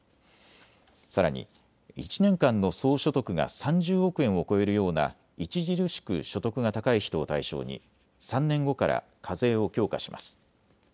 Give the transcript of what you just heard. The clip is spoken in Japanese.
さらに１年間の総所得が３０億円を超えるような著しく所得が高い人を対象に３年後から課税を強化します。